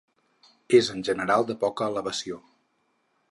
És en general de poca elevació.